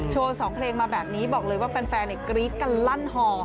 สองเพลงมาแบบนี้บอกเลยว่าแฟนกรี๊ดกันลั่นฮอ